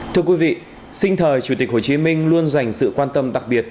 thưa quý vị sinh thời chủ tịch hồ chí minh luôn dành sự quan tâm đặc biệt